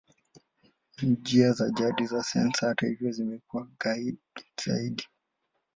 Njia za jadi za sensa, hata hivyo, zimekuwa ghali zaidi.